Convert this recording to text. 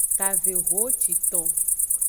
Kavehociton.